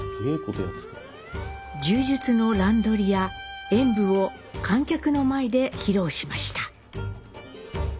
柔術の「乱取り」や「演舞」を観客の前で披露しました。